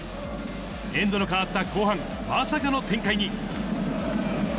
エンドのかわった後半、まさかの展開に。